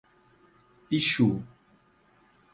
Ichu